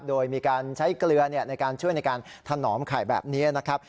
โดยมีการใช้เกลือในการช่วยในการถนอมไข่แบบนี้นะครับ